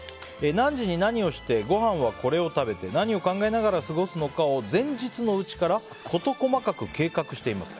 何時に何をしてごはんはこれを食べて何を考えながら過ごすのかを前日のうちからこと細かく計画しています。